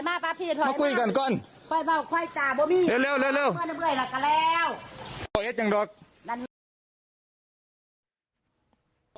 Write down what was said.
เราไม่ช่วยเหลือแล้ว